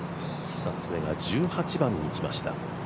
久常が１８番に来ました。